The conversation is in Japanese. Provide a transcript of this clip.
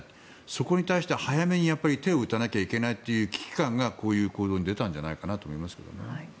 そこに対して早めに手を打たなければいけないという危機感がこういう行動に出たんじゃないかと思いますけどね。